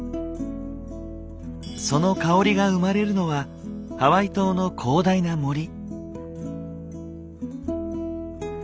その香りが生まれるのはハワイ島の広大な森。